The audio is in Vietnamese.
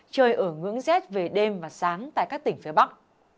trời ở ngưỡng rét về đêm và sáng tại các tỉnh phía bắc